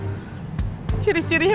orang pada ngejelasin katanya ciri cirinya tuh